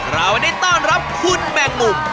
เราได้ต้อนรับคุณแมงมุม